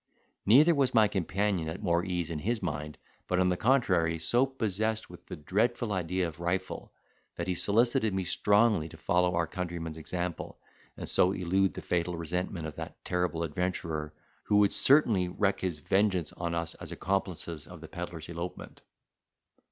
Neither was my companion at more ease in his mind, but on the contrary, so possessed with the dreadful idea of Rifle, that he solicited me strongly to follow our countryman's example, and so elude the fatal resentment of that terrible adventurer, who would certainly wreak his vengeance on us as accomplices of the pedlar's elopement.